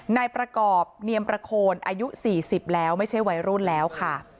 นายประกอบเนียมประโคนอายุ๔๐แล้วไม่ใช่วัยรุ่นแล้วค่ะ